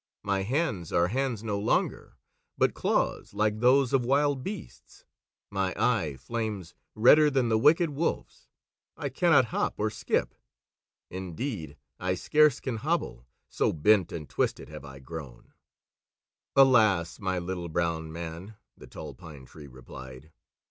My hands are hands no longer, but claws like those of wild beasts; my eye flames redder than the wicked wolf's! I cannot hop or skip; indeed, I scarce can hobble, so bent and twisted have I grown." "Alas, my Little Brown Man!" the Tall Pine Tree replied.